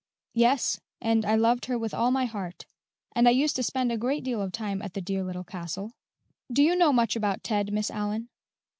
"Yes; and loved her with all my heart; and I used to spend a great deal of time at the dear Little Castle." "Do you know much about Ted, Miss Allyn?"